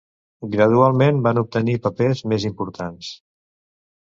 Gradualment va obtenint papers més importants.